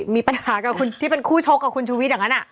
มีปัญหากับคนที่เป็นคู่ชกกับคุณชุวิตอย่างนั้น